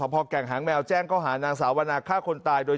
พอแก่งหางแมวแจ้งเข้าหานางสาวนาฆ่าคนตายโดย